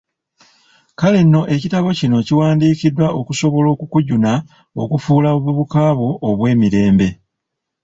Kale nno ekitabo kino kiwandiikiddwa okusobola okukujuna okufuula obuvubuka bwo obw'emirembe.